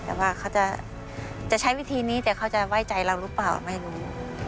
แต่ว่าเขาจะใช้วิธีนี้แต่เขาจะไว้ใจเราหรือเปล่าไม่รู้